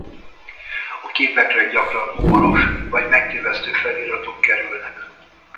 A képekre gyakran humoros vagy megtévesztő feliratok kerülnek.